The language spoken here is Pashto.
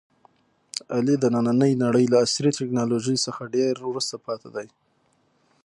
علي د نننۍ نړۍ له عصري ټکنالوژۍ څخه ډېر وروسته پاتې دی.